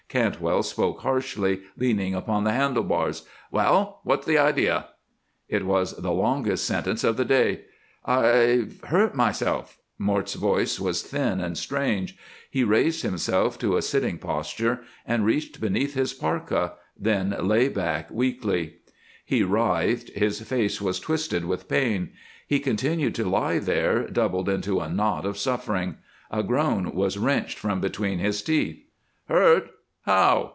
Cantwell spoke harshly, leaning upon the handle bars: "Well! What's the idea?" It was the longest sentence of the day. "I've hurt myself." Mort's voice was thin and strange; he raised himself to a sitting posture, and reached beneath his parka, then lay back weakly. He writhed, his face was twisted with pain. He continued to lie there, doubled into a knot of suffering. A groan was wrenched from between his teeth. "Hurt? How?"